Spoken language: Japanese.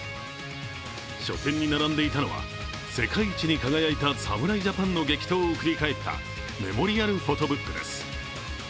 書店に並んでいたのは世界一に輝いた侍ジャパンの激闘を振り返ったメモリアルフォトブックです。